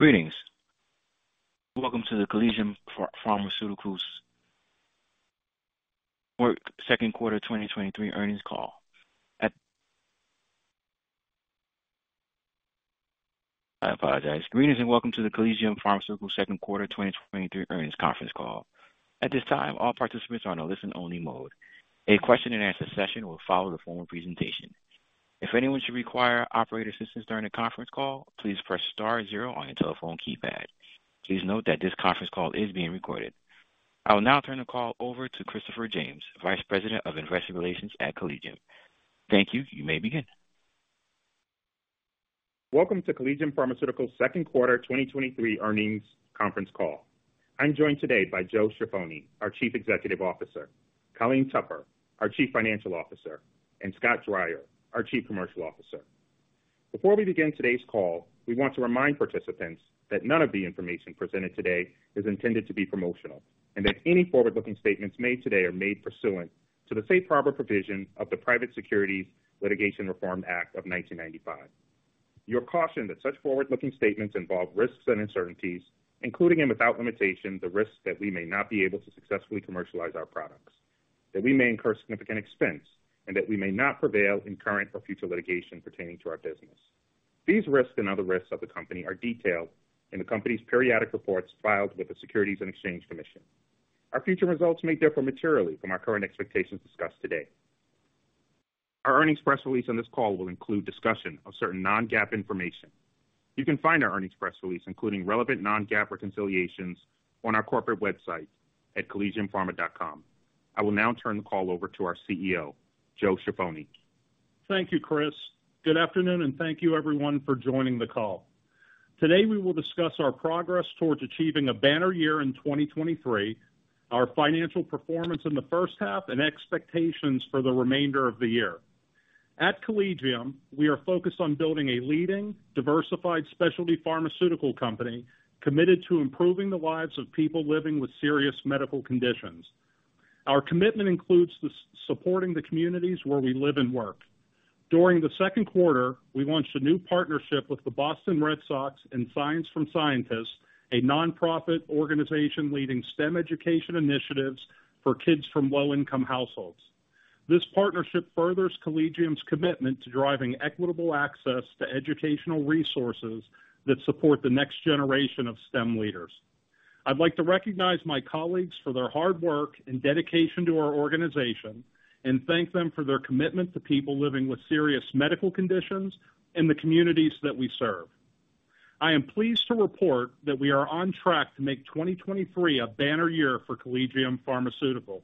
Greetings. Welcome to the Collegium Pharmaceuticals work second quarter 2023 earnings call. Greetings and welcome to the Collegium Pharmaceuticals second quarter 2023 earnings conference call. At this time, all participants are on a listen-only mode. A question-and-answer session will follow the formal presentation. If anyone should require operator assistance during the conference call, please press star zero on your telephone keypad. Please note that this conference call is being recorded. I will now turn the call over to Christopher James, Vice President of Investor Relations at Collegium. Thank you. You may begin. Welcome to Collegium Pharmaceutical's Q2 2023 earnings conference call. I'm joined today by Joseph Ciaffoni, our Chief Executive Officer, Colleen Tupper, our Chief Financial Officer, and Scott Dreyer, our Chief Commercial Officer. Before we begin today's call, we want to remind participants that none of the information presented today is intended to be promotional, and that any forward-looking statements made today are made pursuant to the safe harbor provision of the Private Securities Litigation Reform Act of 1995. You are cautioned that such forward-looking statements involve risks and uncertainties, including and without limitation, the risk that we may not be able to successfully commercialize our products, that we may incur significant expense, and that we may not prevail in current or future litigation pertaining to our business. These risks and other risks of the company are detailed in the company's periodic reports filed with the Securities and Exchange Commission. Our future results may differ materially from our current expectations discussed today. Our earnings press release on this call will include discussion of certain non-GAAP information. You can find our earnings press release, including relevant non-GAAP reconciliations, on our corporate website at collegiumpharma.com. I will now turn the call over to our CEO, Joseph Ciaffoni. Thank you, Chris. Good afternoon, and thank you everyone for joining the call. Today, we will discuss our progress towards achieving a banner year in 2023, our financial performance in the first half, and expectations for the remainder of the year. At Collegium, we are focused on building a leading, diversified specialty pharmaceutical company committed to improving the lives of people living with serious medical conditions. Our commitment includes the supporting the communities where we live and work. During the second quarter, we launched a new partnership with the Boston Red Sox and Science from Scientists, a nonprofit organization leading STEM education initiatives for kids from low-income households. This partnership furthers Collegium's commitment to driving equitable access to educational resources that support the next generation of STEM leaders. I'd like to recognize my colleagues for their hard work and dedication to our organization and thank them for their commitment to people living with serious medical conditions in the communities that we serve. I am pleased to report that we are on track to make 2023 a banner year for Collegium Pharmaceutical.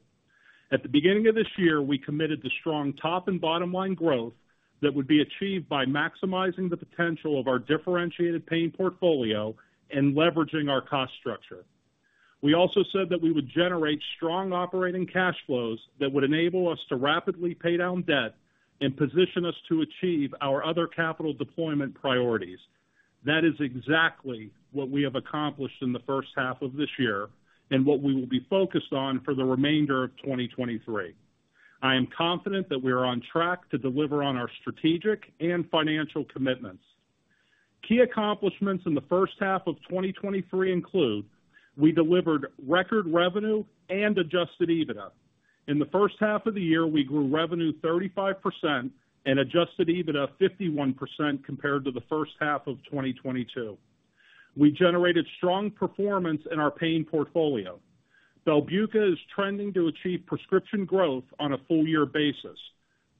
At the beginning of this year, we committed to strong top and bottom-line growth that would be achieved by maximizing the potential of our differentiated pain portfolio and leveraging our cost structure. We also said that we would generate strong operating cash flows that would enable us to rapidly pay down debt and position us to achieve our other capital deployment priorities. That is exactly what we have accomplished in the first half of this year and what we will be focused on for the remainder of 2023. I am confident that we are on track to deliver on our strategic and financial commitments. Key accomplishments in the first half of 2023 include: We delivered record revenue and adjusted EBITDA. In the first half of the year, we grew revenue 35% and adjusted EBITDA 51% compared to the first half of 2022. We generated strong performance in our pain portfolio. Belbuca is trending to achieve prescription growth on a full year basis.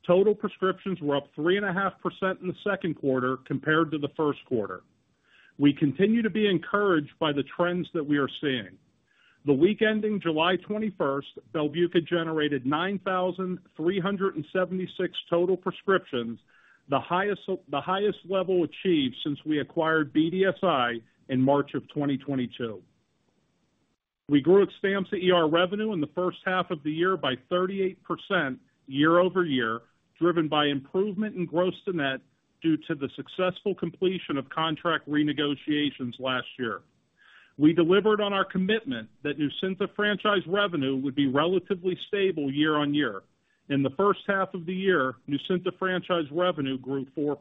Total prescriptions were up 3.5% in the second quarter compared to the first quarter. We continue to be encouraged by the trends that we are seeing. The week ending July 21st, Belbuca generated 9,376 total prescriptions, the highest level achieved since we acquired BDSI in March of 2022. We grew Xtampza ER revenue in the first half of the year by 38% year-over-year, driven by improvement in gross to net due to the successful completion of contract renegotiations last year. We delivered on our commitment that Nucynta franchise revenue would be relatively stable year-on-year. In the first half of the year, Nucynta franchise revenue grew 4%.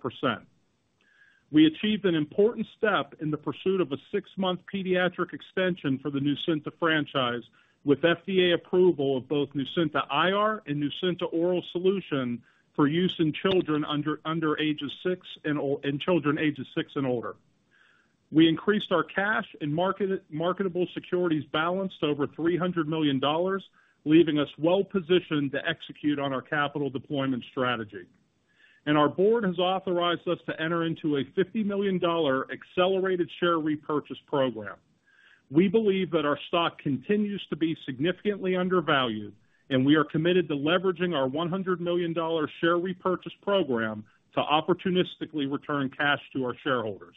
We achieved an important step in the pursuit of a six-month pediatric extension for the Nucynta franchise, with FDA approval of both Nucynta IR and Nucynta oral solution for use in children under age of six and children ages six and older. We increased our cash and marketable securities balance to over $300 million, leaving us well positioned to execute on our capital deployment strategy. Our board has authorized us to enter into a $50 million accelerated share repurchase program. We believe that our stock continues to be significantly undervalued, we are committed to leveraging our $100 million share repurchase program to opportunistically return cash to our shareholders.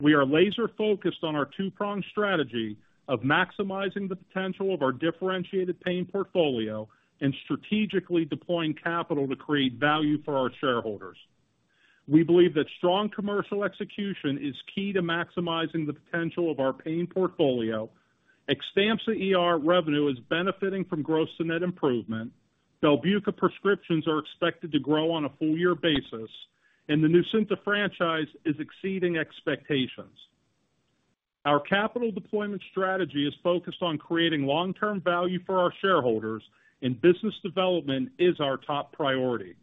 We are laser focused on our two-pronged strategy of maximizing the potential of our differentiated pain portfolio and strategically deploying capital to create value for our shareholders. We believe that strong commercial execution is key to maximizing the potential of our pain portfolio. Xtampza ER revenue is benefiting from gross to net improvement. Belbucca prescriptions are expected to grow on a full year basis, the Nucynta franchise is exceeding expectations. Our capital deployment strategy is focused on creating long-term value for our shareholders, business development is our top priority.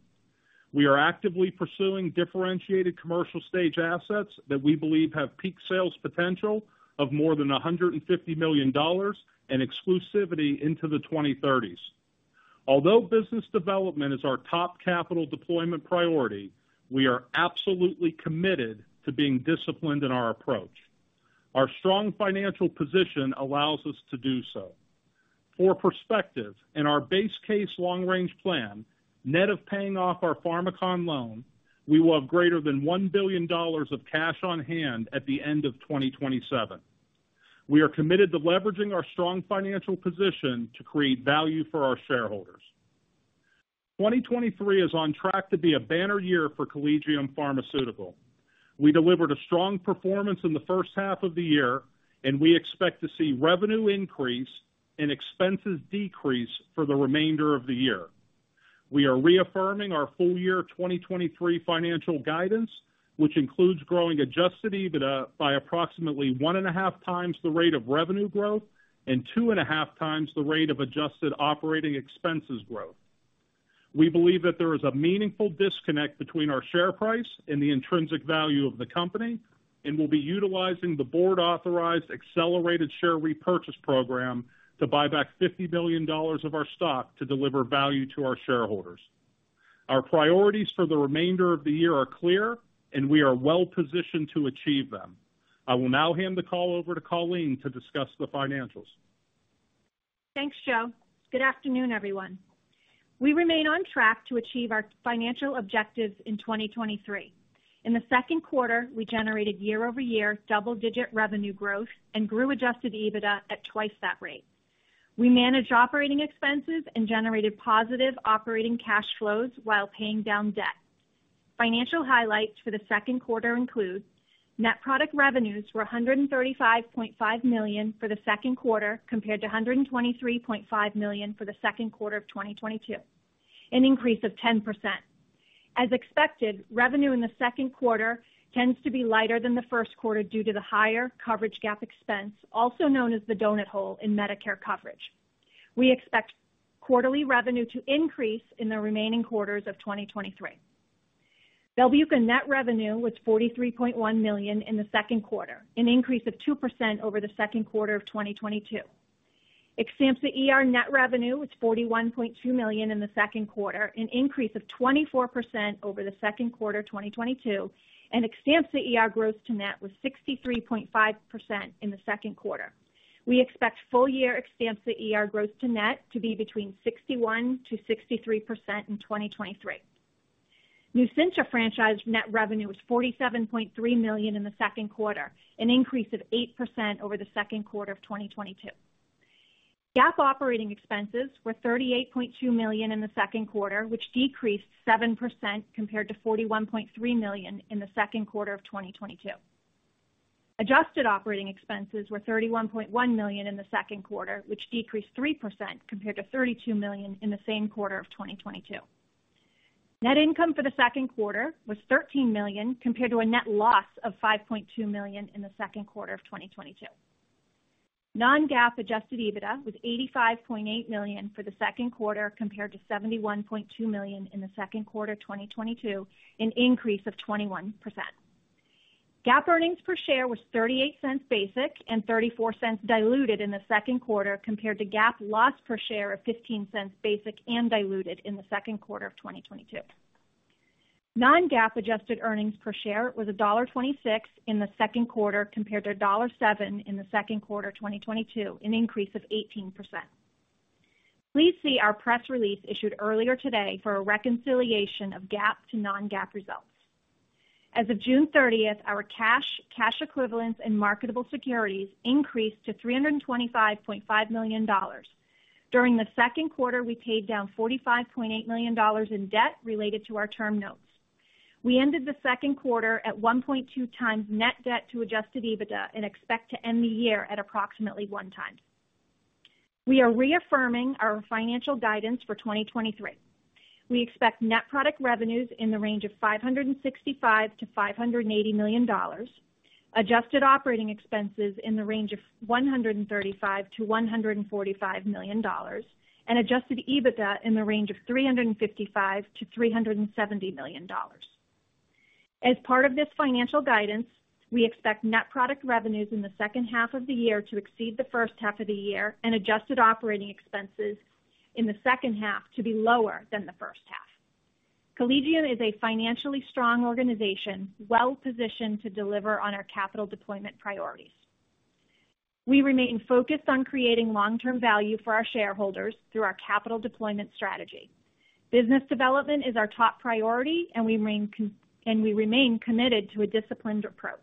We are actively pursuing differentiated commercial stage assets that we believe have peak sales potential of more than $150 million and exclusivity into the 2030s. Although business development is our top capital deployment priority, we are absolutely committed to being disciplined in our approach. Our strong financial position allows us to do so. For perspective, in our base case long-range plan, net of paying off our Pharmakon loan, we will have greater than $1 billion of cash on hand at the end of 2027. We are committed to leveraging our strong financial position to create value for our shareholders. 2023 is on track to be a banner year for Collegium Pharmaceutical. We delivered a strong performance in the first half of the year, and we expect to see revenue increase and expenses decrease for the remainder of the year. We are reaffirming our full year 2023 financial guidance, which includes growing adjusted EBITDA by approximately 1.5x the rate of revenue growth, and 2.5x the rate of adjusted operating expenses growth. We believe that there is a meaningful disconnect between our share price and the intrinsic value of the company, and we'll be utilizing the board-authorized accelerated share repurchase program to buy back $50 billion of our stock to deliver value to our shareholders. Our priorities for the remainder of the year are clear, and we are well positioned to achieve them. I will now hand the call over to Colleen to discuss the financials. Thanks, Joe. Good afternoon, everyone. We remain on track to achieve our financial objectives in 2023. In the second quarter, we generated year-over-year double-digit revenue growth and grew adjusted EBITDA at twice that rate. We managed operating expenses and generated positive operating cash flows while paying down debt. Financial highlights for the second quarter include, net product revenues were $135.5 million for the second quarter, compared to $123.5 million for the second quarter of 2022, an increase of 10%. As expected, revenue in the second quarter tends to be lighter than the first quarter due to the higher coverage gap expense, also known as the donut hole in Medicare coverage. We expect quarterly revenue to increase in the remaining quarters of 2023. Belbuca net revenue was $43.1 million in the second quarter, an increase of 2% over the second quarter of 2022. Xtampza ER net revenue was $41.2 million in the second quarter, an increase of 24% over the second quarter, 2022. Xtampza ER growth to net was 63.5% in the second quarter. We expect full year Xtampza ER growth to net to be between 61%-63% in 2023. Nucynta franchise net revenue was $47.3 million in the second quarter, an increase of 8% over the second quarter of 2022. GAAP operating expenses were $38.2 million in the second quarter, which decreased 7% compared to $41.3 million in the second quarter of 2022. Adjusted operating expenses were $31.1 million in the second quarter, which decreased 3% compared to $32 million in the same quarter of 2022. Net income for the second quarter was $13 million, compared to a net loss of $5.2 million in the second quarter of 2022. Non-GAAP adjusted EBITDA was $85.8 million for the second quarter, compared to $71.2 million in the second quarter of 2022, an increase of 21%. GAAP earnings per share was $0.38 basic and $0.34 diluted in the second quarter, compared to GAAP loss per share of $0.15 basic and diluted in the second quarter of 2022. Non-GAAP adjusted earnings per share was $1.26 in the second quarter, compared to $1.07 in the second quarter of 2022, an increase of 18%. Please see our press release issued earlier today for a reconciliation of GAAP to non-GAAP results. As of June 30th, our cash, cash equivalents and marketable securities increased to $325.5 million. During the second quarter, we paid down $45.8 million in debt related to our term notes. We ended the second quarter at 1.2x net debt to adjusted EBITDA and expect to end the year at approximately one time. We are reaffirming our financial guidance for 2023. We expect net product revenues in the range of $565 million-$580 million, adjusted operating expenses in the range of $135 million-$145 million, and adjusted EBITDA in the range of $355 million-$370 million. As part of this financial guidance, we expect net product revenues in the second half of the year to exceed the first half of the year and adjusted operating expenses in the second half to be lower than the first half. Collegium is a financially strong organization, well-positioned to deliver on our capital deployment priorities. We remain focused on creating long-term value for our shareholders through our capital deployment strategy. Business development is our top priority, and we remain committed to a disciplined approach.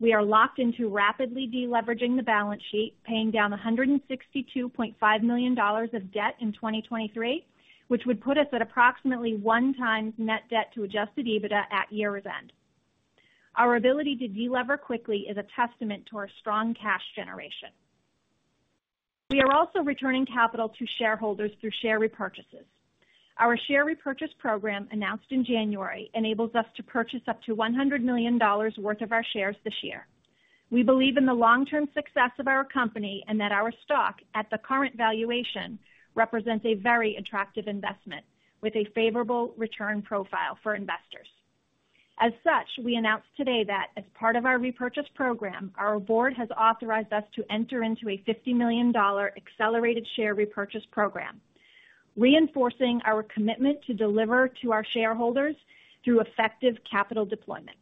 We are locked into rapidly deleveraging the balance sheet, paying down $162.5 million of debt in 2023, which would put us at approximately 1 times net debt to adjusted EBITDA at year's end. Our ability to delever quickly is a testament to our strong cash generation. We are also returning capital to shareholders through share repurchases. Our share repurchase program, announced in January, enables us to purchase up to $100 million worth of our shares this year. We believe in the long-term success of our company and that our stock, at the current valuation, represents a very attractive investment with a favorable return profile for investors. As such, we announce today that as part of our repurchase program, our board has authorized us to enter into a $50 million accelerated share repurchase program, reinforcing our commitment to deliver to our shareholders through effective capital deployment.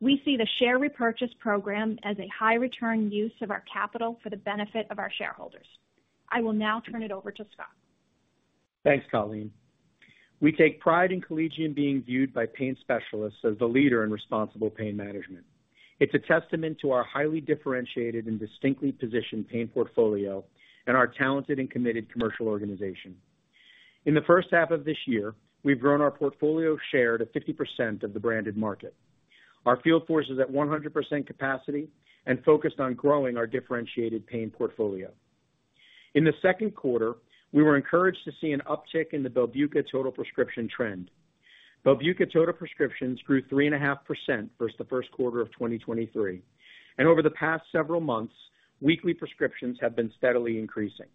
We see the share repurchase program as a high return use of our capital for the benefit of our shareholders. I will now turn it over to Scott. Thanks, Colleen. We take pride in Collegium being viewed by pain specialists as the leader in responsible pain management. It's a testament to our highly differentiated and distinctly positioned pain portfolio and our talented and committed commercial organization. In the first half of this year, we've grown our portfolio share to 50% of the branded market. Our field force is at 100% capacity and focused on growing our differentiated pain portfolio. In the second quarter, we were encouraged to see an uptick in the Belbuca total prescription trend. Belbuca total prescriptions grew 3.5% versus the first quarter of 2023. Over the past several months, weekly prescriptions have been steadily increasing.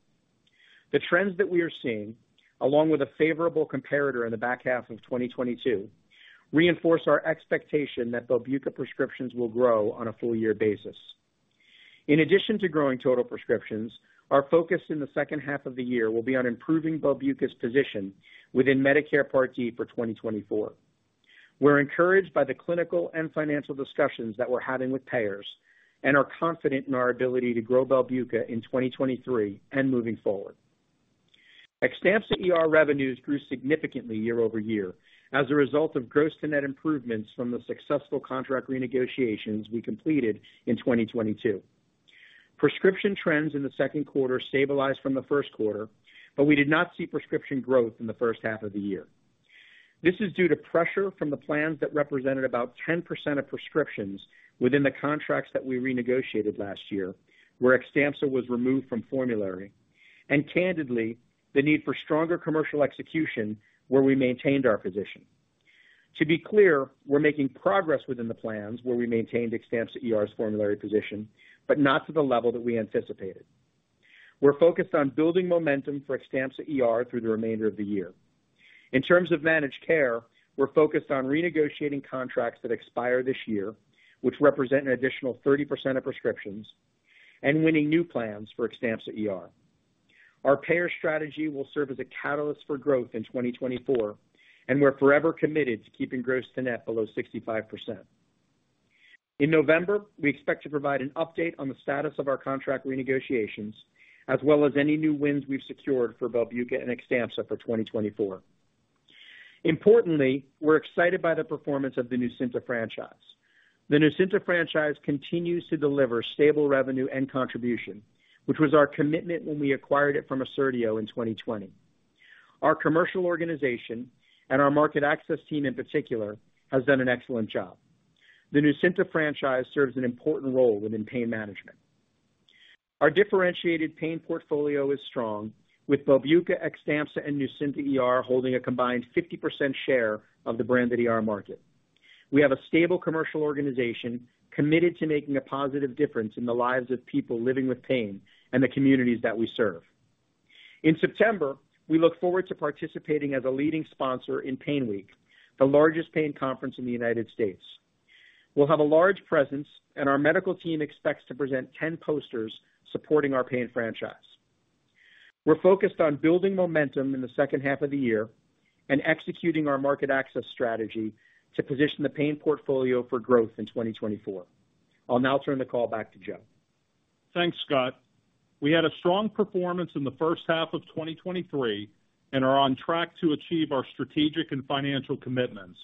The trends that we are seeing, along with a favorable comparator in the back half of 2022, reinforce our expectation that Belbuca prescriptions will grow on a full year basis. In addition to growing total prescriptions, our focus in the second half of the year will be on improving Belbuca's position within Medicare Part D for 2024. We're encouraged by the clinical and financial discussions that we're having with payers and are confident in our ability to grow Belbuca in 2023 and moving forward. Xtampza ER revenues grew significantly year-over-year as a result of gross to net improvements from the successful contract renegotiations we completed in 2022. Prescription trends in the second quarter stabilized from the first quarter, but we did not see prescription growth in the first half of the year. This is due to pressure from the plans that represented about 10% of prescriptions within the contracts that we renegotiated last year, where Xtampza was removed from formulary, and candidly, the need for stronger commercial execution where we maintained our position. To be clear, we're making progress within the plans where we maintained Xtampza ER's formulary position, not to the level that we anticipated. We're focused on building momentum for Xtampza ER through the remainder of the year. In terms of managed care, we're focused on renegotiating contracts that expire this year, which represent an additional 30% of prescriptions and winning new plans for Xtampza ER. Our payer strategy will serve as a catalyst for growth in 2024. We're forever committed to keeping gross to net below 65%. In November, we expect to provide an update on the status of our contract renegotiations, as well as any new wins we've secured for Belbuca and Xtampza for 2024. Importantly, we're excited by the performance of the Nucynta franchise. The Nucynta franchise continues to deliver stable revenue and contribution, which was our commitment when we acquired it from Assertio in 2020. Our commercial organization and our market access team, in particular, has done an excellent job. The Nucynta franchise serves an important role within pain management. Our differentiated pain portfolio is strong, with Belbuca, Xtampza, and Nucynta ER holding a combined 50% share of the branded ER market. We have a stable commercial organization committed to making a positive difference in the lives of people living with pain and the communities that we serve. In September, we look forward to participating as a leading sponsor in Pain Week, the largest pain conference in the United States. We'll have a large presence, and our medical team expects to present 10 posters supporting our pain franchise. We're focused on building momentum in the second half of the year and executing our market access strategy to position the pain portfolio for growth in 2024. I'll now turn the call back to Joe. Thanks, Scott. We had a strong performance in the first half of 2023 and are on track to achieve our strategic and financial commitments.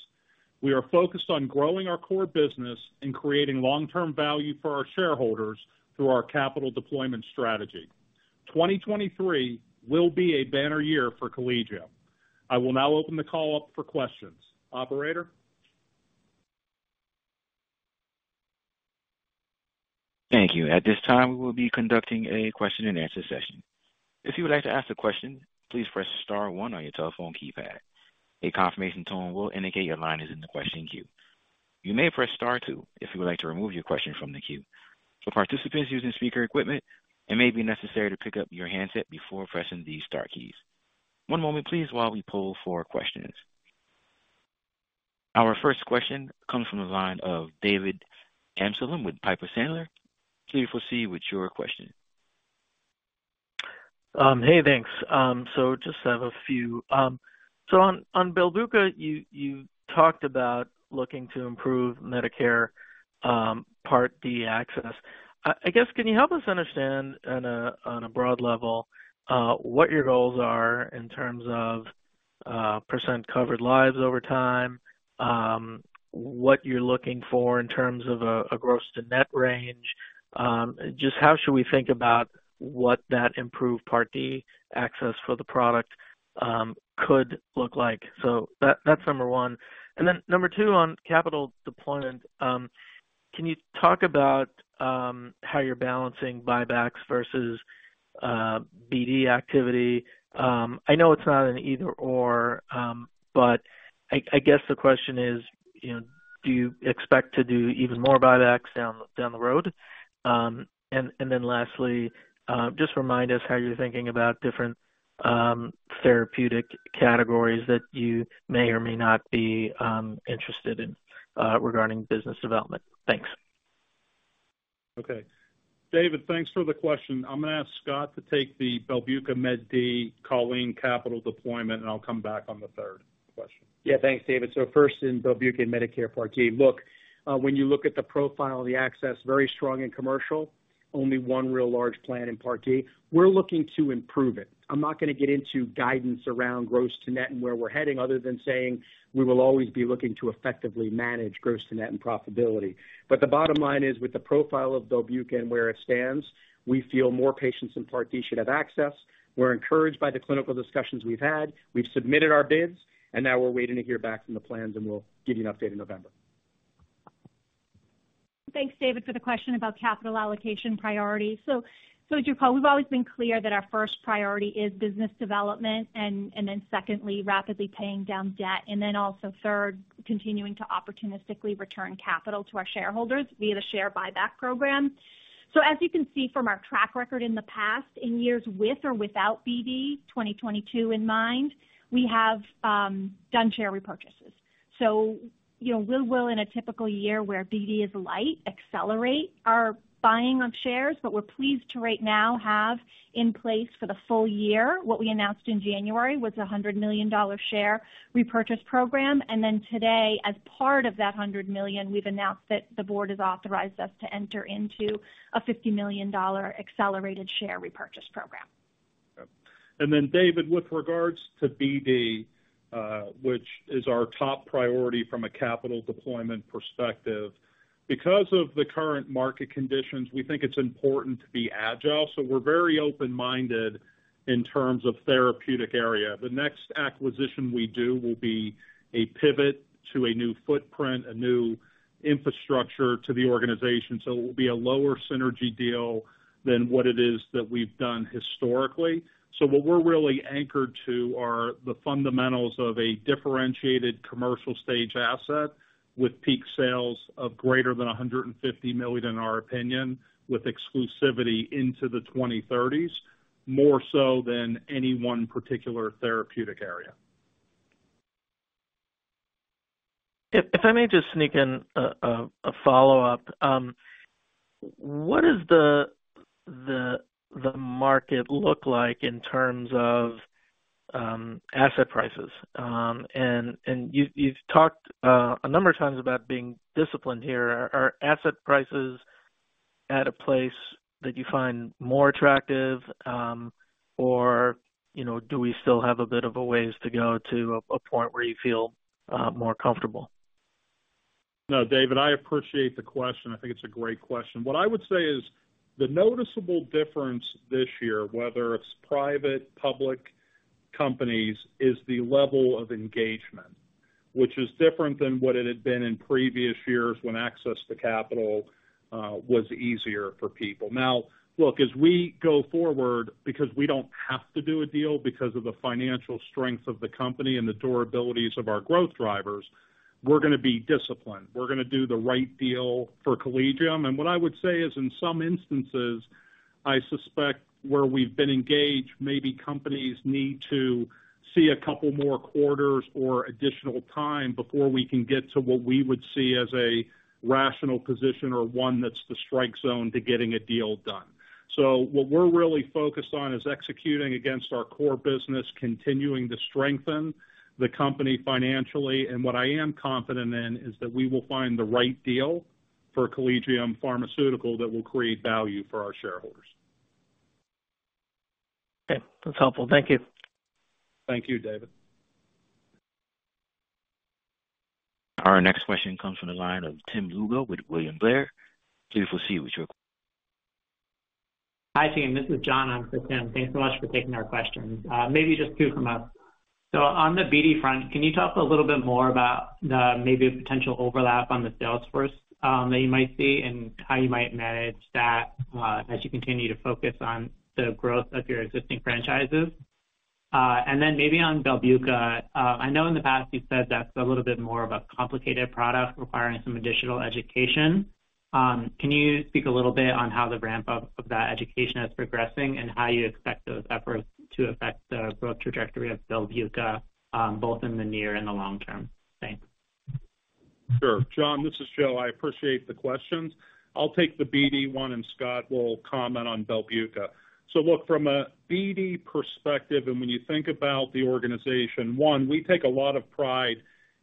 We are focused on growing our core business and creating long-term value for our shareholders through our capital deployment strategy. 2023 will be a banner year for Collegium. I will now open the call up for questions. Operator? Thank you. At this time, we will be conducting a question-and-answer session. If you would like to ask a question, please press star one on your telephone keypad. A confirmation tone will indicate your line is in the question queue. You may press star two if you would like to remove your question from the queue. For participants using speaker equipment, it may be necessary to pick up your handset before pressing the star keys. One moment please while we pull for questions. Our first question comes from the line of David Amsellem with Piper Sandler. Please proceed with your question. Hey, thanks. So just have a few. So on, on Belbuca, you, you talked about looking to improve Medicare Part D access. I, I guess, can you help us understand on a, on a broad level, what your goals are in terms of percent covered lives over time? What you're looking for in terms of a gross to net range? Just how should we think about what that improved Part D access for the product could look like? That, that's number one. Then number two, on capital deployment, can you talk about how you're balancing buybacks versus BD activity? I know it's not an either/or, but I, I guess the question is, you know, do you expect to do even more buybacks down, down the road? Lastly, just remind us how you're thinking about different therapeutic categories that you may or may not be interested in regarding business development. Thanks. Okay. David, thanks for the question. I'm going to ask Scott to take the Belbuca Med D, Colleen capital deployment, and I'll come back on the third question. Yeah. Thanks, David. First, in Belbuca and Medicare Part D. Look, when you look at the profile of the access, very strong in commercial, only one real large plan in Part D. We're looking to improve it. I'm not going to get into guidance around gross to net and where we're heading, other than saying we will always be looking to effectively manage gross to net and profitability. The bottom line is, with the profile of Belbuca and where it stands, we feel more patients in Part D should have access. We're encouraged by the clinical discussions we've had. We've submitted our bids, and now we're waiting to hear back from the plans, and we'll give you an update in November. Thanks, David, for the question about capital allocation priority. As you recall, we've always been clear that our first priority is business development, and then secondly, rapidly paying down debt, and then also third, continuing to opportunistically return capital to our shareholders via the share buyback program. As you can see from our track record in the past, in years with or without BD, 2022 in mind, we have done share repurchases. You know, we will, in a typical year where BD is light, accelerate our buying of shares. We're pleased to right now have in place for the full year, what we announced in January, was a $100 million share repurchase program, and then today, as part of that $100 million, we've announced that the board has authorized us to enter into a $50 million accelerated share repurchase program. Then, David, with regards to BD, which is our top priority from a capital deployment perspective, because of the current market conditions, we think it's important to be agile, so we're very open-minded in terms of therapeutic area. The next acquisition we do will be a pivot to a new footprint, a new infrastructure to the organization, so it will be a lower synergy deal than what it is that we've done historically. What we're really anchored to are the fundamentals of a differentiated commercial stage asset with peak sales of greater than $150 million, in our opinion, with exclusivity into the 2030s, more so than any one particular therapeutic area. If, if I may just sneak in a, a, a follow-up. What does the, the, the market look like in terms of asset prices? You've talked a number of times about being disciplined here. Are asset prices at a place that you find more attractive, or, you know, do we still have a bit of a ways to go to a, a point where you feel more comfortable? No, David, I appreciate the question. I think it's a great question. What I would say is the noticeable difference this year, whether it's private, public companies, is the level of engagement, which is different than what it had been in previous years when access to capital was easier for people. Now, look, as we go forward, because we don't have to do a deal because of the financial strength of the company and the durabilities of our growth drivers, we're going to be disciplined. We're going to do the right deal for Collegium. What I would say is, in some instances, I suspect where we've been engaged, maybe companies need to see a couple more quarters or additional time before we can get to what we would see as a rational position or one that's the strike zone to getting a deal done. What we're really focused on is executing against our core business, continuing to strengthen the company financially. What I am confident in, is that we will find the right deal for Collegium Pharmaceutical that will create value for our shareholders. Okay, that's helpful. Thank you. Thank you, David. Our next question comes from the line of Tim Lugo with William Blair. Please proceed with your-. Hi, team, this is John. I'm with Tim. Thanks so much for taking our questions. Maybe just two from us. On the BD front, can you talk a little bit more about the, maybe a potential overlap on the sales force, that you might see and how you might manage that, as you continue to focus on the growth of your existing franchises? Then maybe on Belbuca, I know in the past you've said that's a little bit more of a complicated product requiring some additional education. Can you speak a little bit on how the ramp-up of that education is progressing and how you expect those efforts to affect the growth trajectory of Belbuca, both in the near and the long term? Thanks. Sure. John, this is Joe. I appreciate the questions. I'll take the BD one, and Scott will comment on Belbuca. Look, from a BD perspective, and when you think about the organization, one, we take a lot of pride,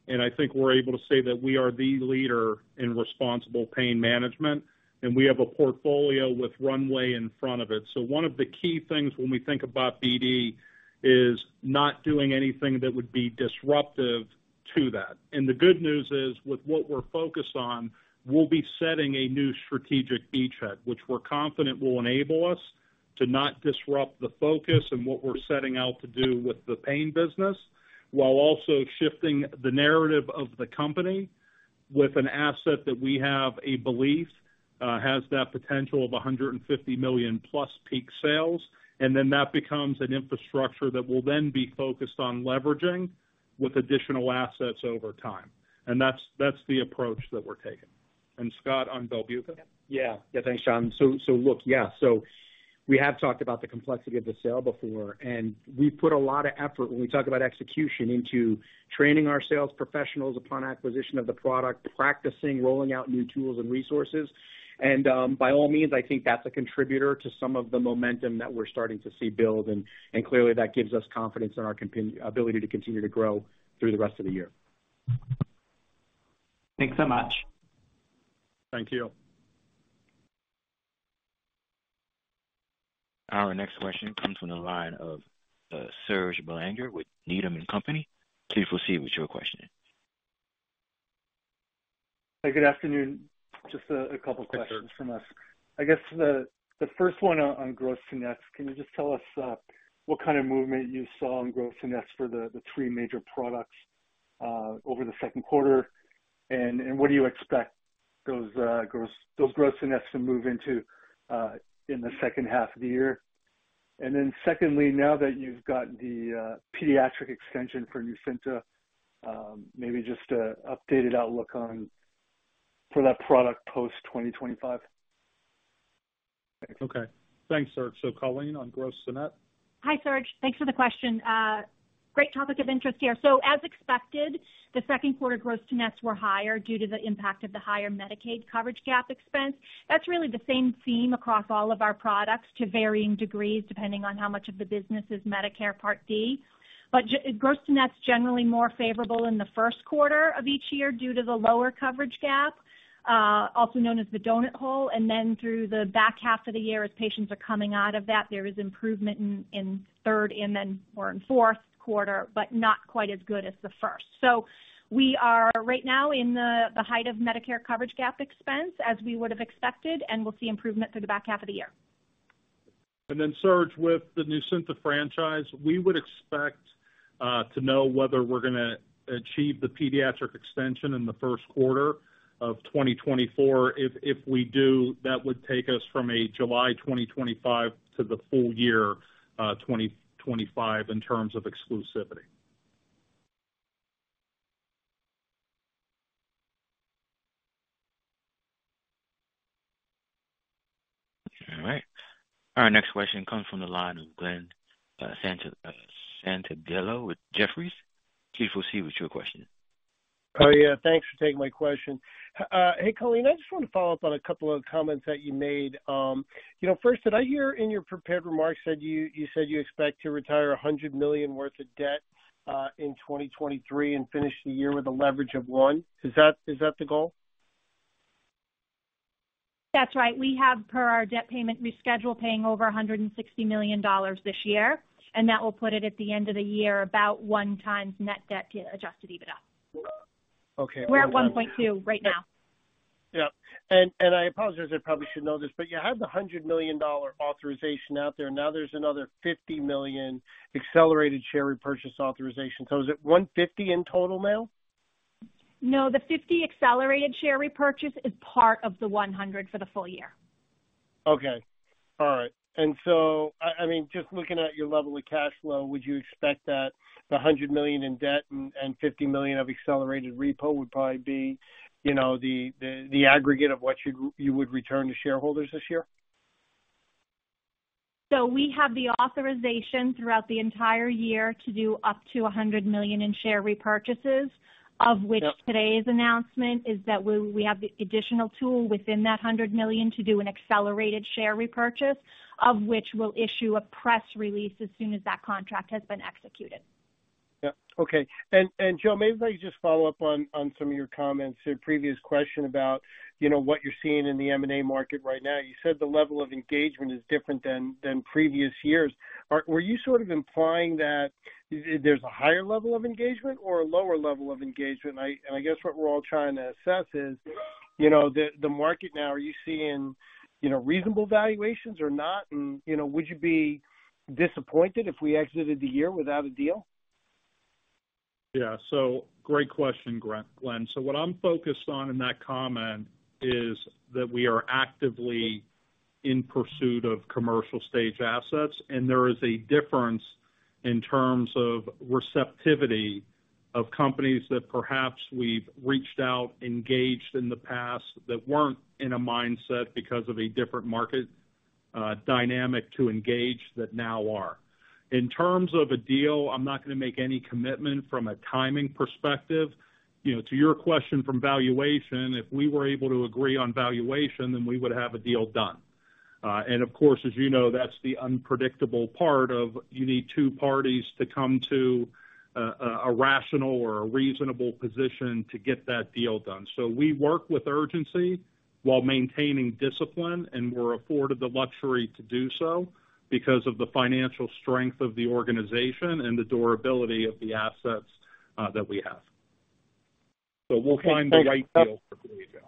and I think we're able to say that we are the leader in responsible pain management, and we have a portfolio with runway in front of it. One of the key things when we think about BD is not doing anything that would be disruptive-... to that. The good news is, with what we're focused on, we'll be setting a new strategic beachhead, which we're confident will enable us to not disrupt the focus and what we're setting out to do with the pain business, while also shifting the narrative of the company with an asset that we have a belief, has that potential of $150 million plus peak sales. That becomes an infrastructure that will then be focused on leveraging with additional assets over time. That's, that's the approach that we're taking. Scott, on Belbuca? Yeah. Yeah, thanks, John. We have talked about the complexity of the sale before, and we put a lot of effort when we talk about execution into training our sales professionals upon acquisition of the product, practicing, rolling out new tools and resources. By all means, I think that's a contributor to some of the momentum that we're starting to see build. Clearly that gives us confidence in our ability to continue to grow through the rest of the year. Thanks so much. Thank you. Our next question comes from the line of Serge Belanger with Needham and Company. Please proceed with your question. Hey, good afternoon. Just a, a couple questions from us. I guess the, the first one on, on gross to nets. Can you just tell us what kind of movement you saw in gross to nets for the three major products over the Q2? What do you expect those gross, those gross to nets to move into in the second half of the year? Then secondly, now that you've got the pediatric extension for Nucynta, maybe just a updated outlook on for that product post 2025. Okay. Thanks, Serge. Colleen, on gross to net? Hi, Serge. Thanks for the question. Great topic of interest here. As expected, the second quarter gross to nets were higher due to the impact of the higher Medicaid coverage gap expense. That's really the same theme across all of our products to varying degrees, depending on how much of the business is Medicare Part D. Gross to net is generally more favorable in the first quarter of each year due to the lower coverage gap, also known as the donut hole, and then through the back half of the year, as patients are coming out of that, there is improvement in, in third or in fourth quarter, but not quite as good as the first. We are right now in the, the height of Medicare coverage gap expense as we would have expected, and we'll see improvement through the back half of the year. Then, Serge, with the Nucynta franchise, we would expect to know whether we're gonna achieve the pediatric extension in the first quarter of 2024. If, if we do, that would take us from a July 2025 to the full year, 2025 in terms of exclusivity. All right. Our next question comes from the line of Glenn Santangelo with Jefferies. Please proceed with your question. Oh, yeah, thanks for taking my question. Hey, Colleen, I just want to follow up on a couple of comments that you made. You know, first, did I hear in your prepared remarks, said you, you said you expect to retire $100 million worth of debt, in 2023 and finish the year with a leverage of one? Is that, is that the goal? That's right. We have, per our debt payment reschedule, paying over $160 million this year. That will put it at the end of the year, about 1x net debt to adjusted EBITDA. Okay. We're at 1.2 right now. Yeah. I apologize, I probably should know this, but you have the $100 million authorization out there. Now there's another $50 million accelerated share repurchase authorization. Is it 150 in total now? No, the $50 accelerated share repurchase is part of the $100 for the full year. Okay. All right. I mean, just looking at your level of cash flow, would you expect that the $100 million in debt and $50 million of accelerated repo would probably be, you know, the, the, the aggregate of what you, you would return to shareholders this year? We have the authorization throughout the entire year to do up to $100 million in share repurchases, of which. Yeah... today's announcement is that we have the additional tool within that $100 million to do an accelerated share repurchase, of which we'll issue a press release as soon as that contract has been executed. Yeah. Okay. Joe, maybe let me just follow up on, on some of your comments to a previous question about, you know, what you're seeing in the M&A market right now. You said the level of engagement is different than, than previous years. Were you sort of implying that there's a higher level of engagement or a lower level of engagement? I guess what we're all trying to assess is, you know, the, the market now, are you seeing, you know, reasonable valuations or not? You know, would you be disappointed if we exited the year without a deal? Yeah. Great question, Glenn. What I'm focused on in that comment is that we are actively in pursuit of commercial stage assets, and there is a difference in terms of receptivity of companies that perhaps we've reached out, engaged in the past that weren't in a mindset because of a different market dynamic to engage that now are. In terms of a deal, I'm not gonna make any commitment from a timing perspective. You know, to your question from valuation, if we were able to agree on valuation, then we would have a deal done. Of course, as you know, that's the unpredictable part of you need two parties to come to a rational or a reasonable position to get that deal done. We work with urgency while maintaining discipline, and we're afforded the luxury to do so because of the financial strength of the organization and the durability of the assets, that we have. We'll find the right deal for Collegium.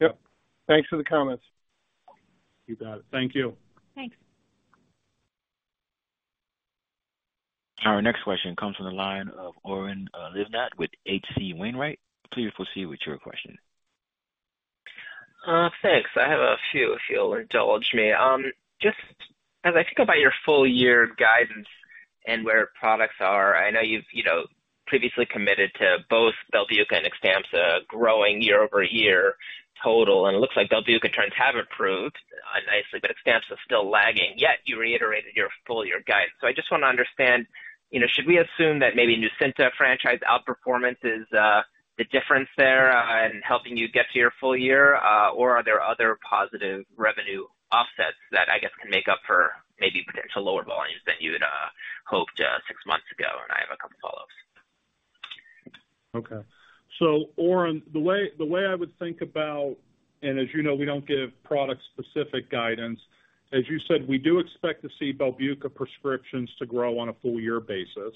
Yep. Thanks for the comments. You got it. Thank you. Thanks. Our next question comes from the line of Oren Livnat with H.C. Wainwright. Please proceed with your question. Thanks. I have a few, if you'll indulge me. Just as I think about your full year guidance and where products are, I know you've, you know, previously committed to both Belbuca and Xtampza growing year-over-year total, and it looks like Belbuca trends have improved nicely, but Xtampza is still lagging, yet you reiterated your full year guidance. I just want to understand, you know, should we assume that maybe Nucynta franchise outperformance is the difference there in helping you get to your full year? Or are there other positive revenue offsets that I guess can make up for maybe potential lower volumes than you had hoped six months ago? I have a couple follow-ups. Okay. Oren, the way, the way I would think about, and as you know, we don't give product-specific guidance. As you said, we do expect to see Belbuca prescriptions to grow on a full year basis.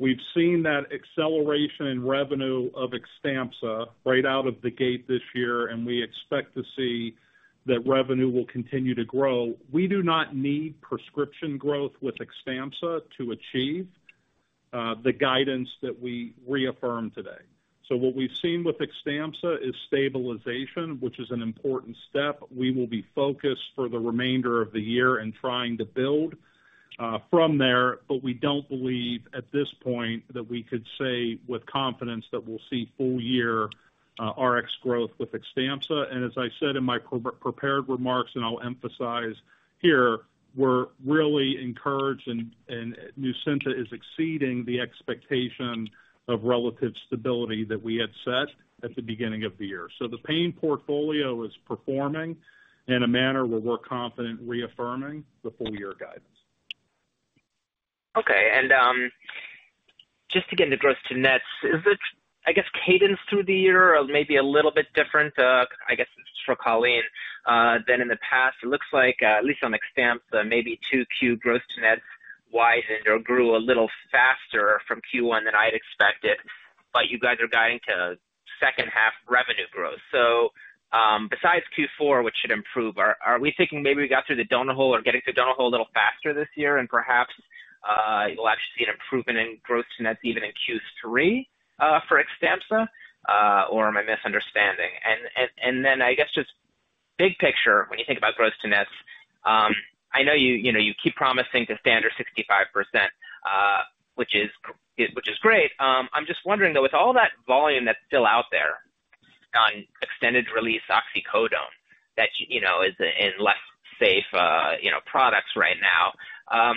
We've seen that acceleration in revenue of Xtampza right out of the gate this year, and we expect to see that revenue will continue to grow. We do not need prescription growth with Xtampza to achieve the guidance that we reaffirmed today. What we've seen with Xtampza is stabilization, which is an important step. We will be focused for the remainder of the year in trying to build from there, but we don't believe at this point that we could say with confidence that we'll see full year Rx growth with Xtampza. As I said in my pre-prepared remarks, and I'll emphasize here, we're really encouraged and, and Nucynta is exceeding the expectation of relative stability that we had set at the beginning of the year. The pain portfolio is performing in a manner where we're confident reaffirming the full year guidance. Okay. Just to get an address to nets, is it, I guess, cadence through the year or maybe a little bit different, I guess, this is for Colleen, than in the past? It looks like, at least on Xtampza, maybe 2Q growth to nets widened or grew a little faster from Q1 than I'd expected, but you guys are guiding to second half revenue growth. Besides Q4, which should improve, are, are we thinking maybe we got through the donut hole or getting through the donut hole a little faster this year, and perhaps, you'll actually see an improvement in growth to nets even in Q3, for Xtampza, or am I misunderstanding? I guess, just big picture, when you think about growth to nets, I know you, you know, you keep promising to standard 65%, which is, which is great. I'm just wondering, though, with all that volume that's still out there on extended-release oxycodone, that, you know, is in less safe, you know, products right now,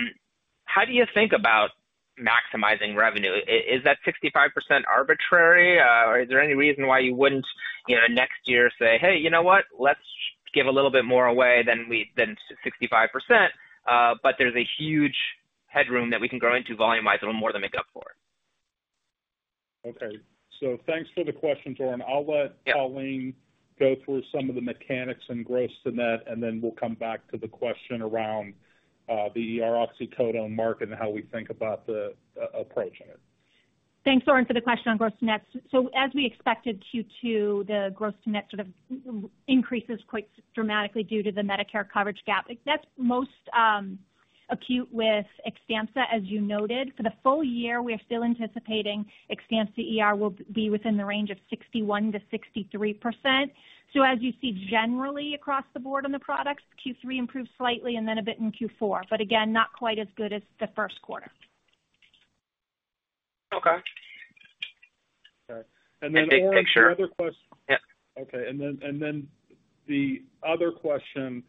how do you think about maximizing revenue? Is, is that 65% arbitrary? Or is there any reason why you wouldn't, you know, next year say, "Hey, you know what? Let's give a little bit more away than we-- than 65%, but there's a huge headroom that we can grow into volumize a little more than make up for it? Okay, thanks for the question, Oren. Yeah. I'll let Colleen go through some of the mechanics and gross to net, and then we'll come back to the question around the oxycodone market and how we think about the approach in it. Thanks, Oren, for the question on gross to net. As we expected, Q2, the gross to net sort of increases quite dramatically due to the Medicare coverage gap. That's most acute with Xtampza, as you noted. For the full year, we are still anticipating Xtampza ER will be within the range of 61%-63%. As you see, generally across the board on the products, Q3 improved slightly and then a bit in Q4, but again, not quite as good as the first quarter. Okay. Okay. Big picture. Another question. Yeah. The other question: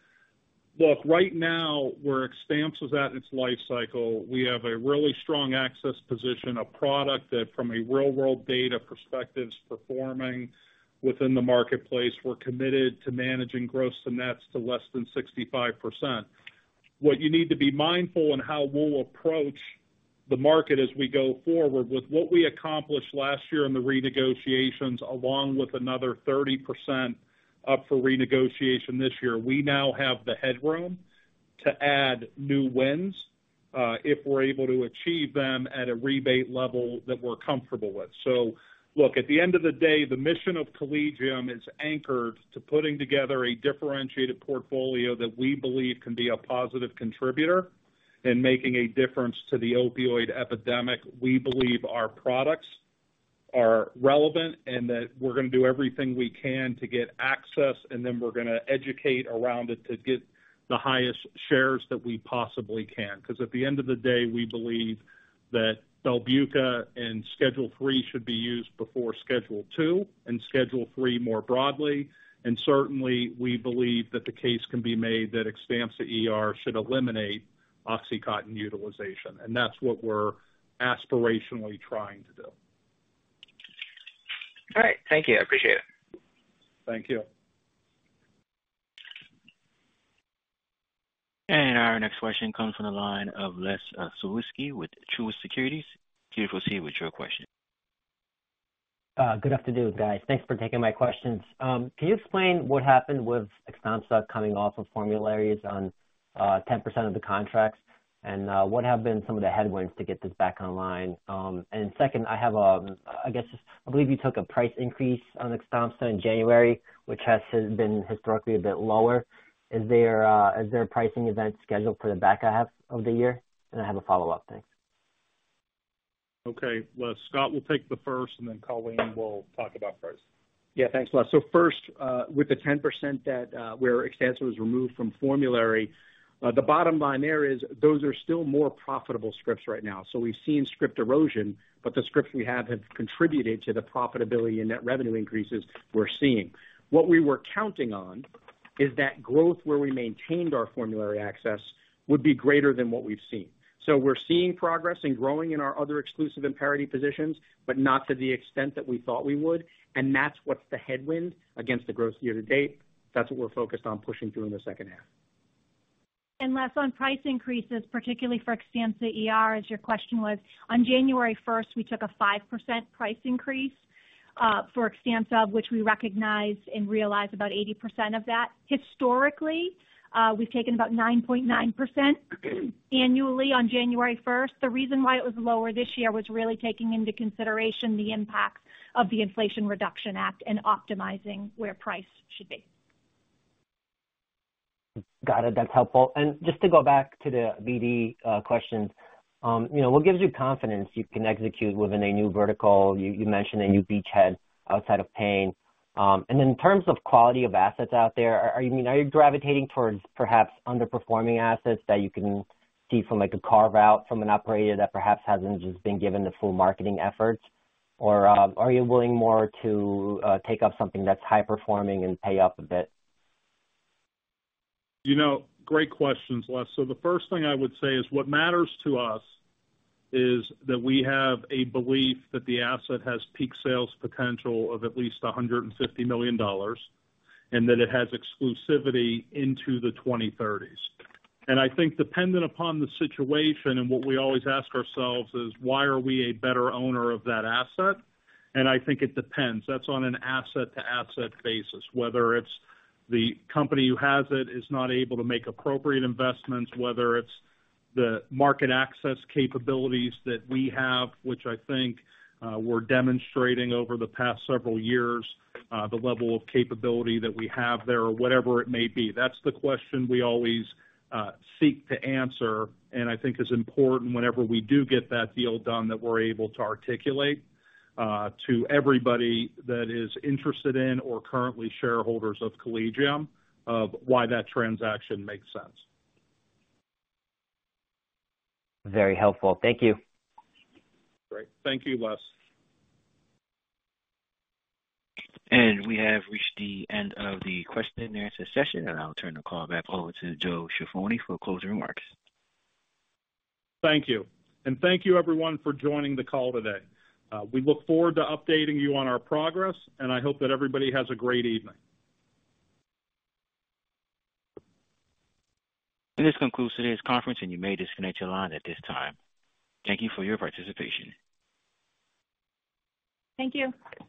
Look, right now, where Xtampza is at in its life cycle, we have a really strong access position, a product that, from a real-world data perspective, is performing within the marketplace. We're committed to managing gross to nets to less than 65%. What you need to be mindful in how we'll approach the market as we go forward with what we accomplished last year in the renegotiations, along with another 30% up for renegotiation this year, we now have the headroom to add new wins, if we're able to achieve them at a rebate level that we're comfortable with. Look, at the end of the day, the mission of Collegium is anchored to putting together a differentiated portfolio that we believe can be a positive contributor in making a difference to the opioid epidemic. We believe our products are relevant and that we're going to do everything we can to get access, and then we're going to educate around it to get the highest shares that we possibly can. At the end of the day, we believe that Belbuca and Schedule III should be used before Schedule II and Schedule III, more broadly. Certainly, we believe that the case can be made that Xtampza ER should eliminate OxyContin utilization, and that's what we're aspirationally trying to do. All right. Thank you. I appreciate it. Thank you. Our next question comes from the line of Les Sulewski with Truist Securities. Please proceed with your question. Good afternoon, guys. Thanks for taking my questions. Can you explain what happened with Xtampza coming off of formularies on 10% of the contracts? What have been some of the headwinds to get this back online? Second, I have, I believe you took a price increase on Xtampza in January, which has been historically a bit lower. Is there a pricing event scheduled for the back half of the year? I have a follow-up. Thanks. Okay. Scott will take the first, and then Colleen will talk about price. Yeah, thanks, Les. First, with the 10% that where Xtampza was removed from formulary, the bottom line there is those are still more profitable scripts right now. We've seen script erosion, but the scripts we have have contributed to the profitability and net revenue increases we're seeing. What we were counting on is that growth where we maintained our formulary access would be greater than what we've seen. We're seeing progress and growing in our other exclusive and parity positions, but not to the extent that we thought we would. That's what's the headwind against the growth year to date. That's what we're focused on pushing through in the second half. Les, on price increases, particularly for Xtampza ER, as your question was, on January first, we took a 5% price increase for Xtampza, of which we recognized and realized about 80% of that. Historically, we've taken about 9.9% annually on January first. The reason why it was lower this year was really taking into consideration the impact of the Inflation Reduction Act and optimizing where price should be. Got it. That's helpful. Just to go back to the BD questions, you know, what gives you confidence you can execute within a new vertical? You, you mentioned a new beachhead outside of pain. Then in terms of quality of assets out there, are, are, you know, are you gravitating towards perhaps underperforming assets that you can see from, like, a carve-out from an operator that perhaps hasn't just been given the full marketing efforts? Or are you willing more to take up something that's high performing and pay up a bit? You know, great questions, Les. The first thing I would say is, what matters to us is that we have a belief that the asset has peak sales potential of at least $150 million, and that it has exclusivity into the 2030s. I think dependent upon the situation, what we always ask ourselves is, why are we a better owner of that asset? I think it depends. That's on an asset-to-asset basis. Whether it's the company who has it is not able to make appropriate investments, whether it's the market access capabilities that we have, which I think, we're demonstrating over the past several years, the level of capability that we have there or whatever it may be. That's the question we always seek to answer, and I think is important whenever we do get that deal done, that we're able to articulate to everybody that is interested in or currently shareholders of Collegium, of why that transaction makes sense. Very helpful. Thank you. Great. Thank you, Les. We have reached the end of the question and answer session, and I'll turn the call back over to Joseph Ciaffoni for closing remarks. Thank you. Thank you everyone for joining the call today. We look forward to updating you on our progress, and I hope that everybody has a great evening. This concludes today's conference, and you may disconnect your line at this time. Thank you for your participation. Thank you.